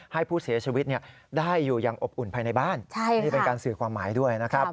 ให้ผู้เสียชีวิตได้อยู่อย่างอบอุ่นภายในบ้านนี่เป็นการสื่อความหมายด้วยนะครับ